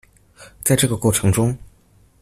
在這個過程中